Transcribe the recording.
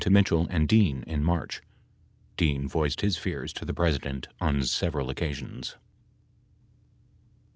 83 Mitchell and Dean in March ; Dean voiced his fears to the President on several occasions.